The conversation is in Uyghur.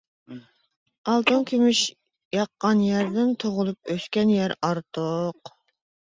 ئالتۇن-كۈمۈش ياققان يەردىن تۇغۇلۇپ ئۆسكەن يەر ئارتۇق.